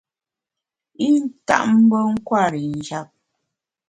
I ntap mbe nkwer i njap.